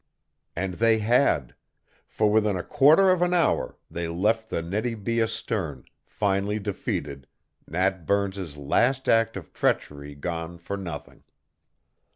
And they had; for within a quarter of an hour they left the Nettie B. astern, finally defeated, Nat Burns's last act of treachery gone for nothing.